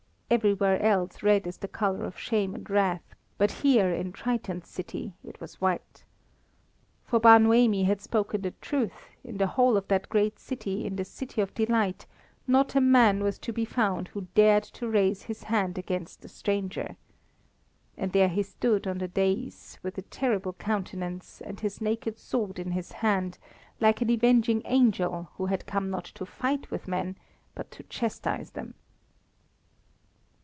Everywhere else, red is the colour of shame and wrath, but here, in Triton's City, it was white. For Bar Noemi had spoken the truth, in the whole of that great city, in the city of delight, not a man was to be found who dared to raise his hand against the stranger! And there he stood on the daïs, with a terrible countenance, and his naked sword in his hand, like an avenging angel who had come not to fight with men, but to chastise them.